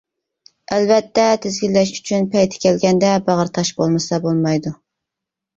ئەلۋەتتە تىزگىنلەش ئۈچۈن پەيتى كەلگەندە باغرى تاش بولمىسا بولمايدۇ.